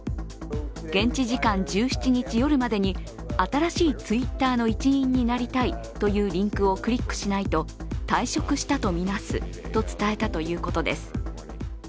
現地時間１７日夜までに「新しいＴｗｉｔｔｅｒの一員になりたい」というリンクをクリックしないと退職したとみなすと伝えたということです。